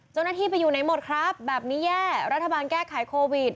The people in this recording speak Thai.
เจ้าหน้าที่ไปอยู่ไหนหมดครับแบบนี้แย่รัฐบาลแก้ไขโควิด